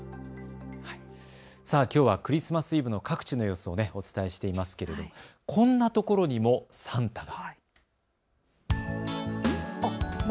きょうはクリスマスイブの各地の様子をお伝えしていますけれどもこんなところにもサンタが。